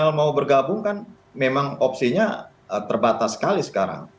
tapi ini juga bergabung kan memang opsinya terbatas sekali sekarang